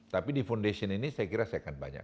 tapi di foundation ini saya kira saya akan banyak